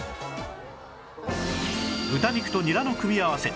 豚肉とニラの組み合わせ